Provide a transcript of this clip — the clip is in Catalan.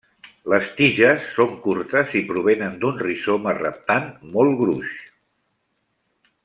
Les tiges són curtes i provenen d'un rizoma reptant molt gruix.